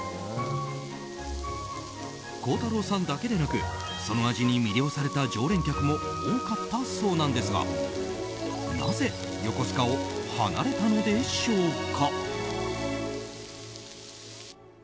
孝太郎さんだけでなくその味に魅了された常連客も多かったそうなんですがなぜ横須賀を離れたのでしょうか。